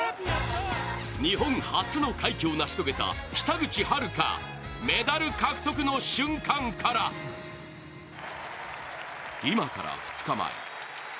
日本初の快挙を成し遂げた北口榛花メダル獲得の瞬間から今から２日前。